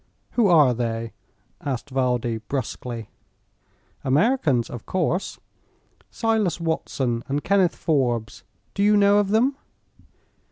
"Who are they?" asked Valdi, brusquely. "Americans, of course; Silas Watson and Kenneth Forbes. Do you know of them?"